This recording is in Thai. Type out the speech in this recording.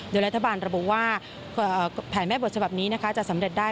โดยรัฐบาลระบุว่าแผนแม่บทฉบับนี้นะคะจะสำเร็จได้